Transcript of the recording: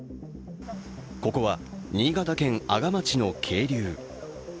ここは新潟県阿賀町の渓流。